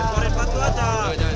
jangan jangan jangan